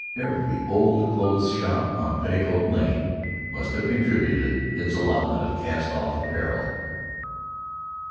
Every old clothes shop on Petticoat Lane must have contributed its allotment of cast off apparel.